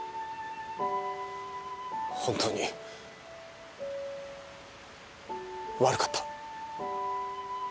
本当に悪かった。